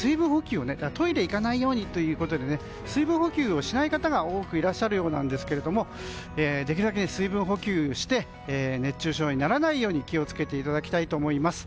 トイレ行かないようにということで水分補給をしない方が多くいらっしゃるようですけどできるだけ水分補給して熱中症にならないように気をつけていただきたいと思います。